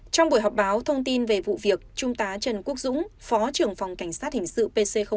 trong buổi họp báo thông tin về vụ việc trung tá trần quốc dũng phó trưởng phòng cảnh sát hình sự pc một